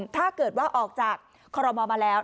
ถ้าเกิดว่าออกจากคอรมอลมาแล้ว